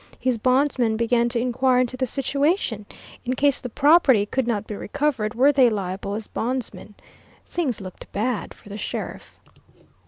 His bondsmen began to inquire into the situation; in case the property could not be recovered, were they liable as bondsmen? Things looked bad for the sheriff.